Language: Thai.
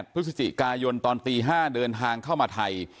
พฤศจิกายนตอนตี๕เดินทางเข้ามาไทย